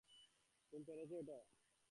তুমি পেরেছো এটা।